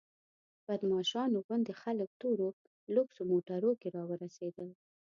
بدماشانو غوندې خلک تورو لوکسو موټرو کې راورسېدل.